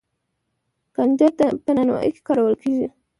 کنجد په نانوايۍ کې کارول کیږي.